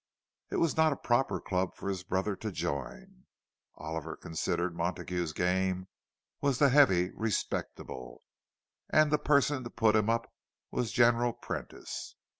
It was not a proper club for his brother to join, Oliver considered; Montague's "game" was the heavy respectable, and the person to put him up was General Prentice.